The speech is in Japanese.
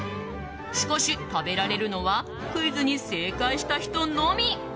しかし、食べられるのはクイズに正解した人のみ。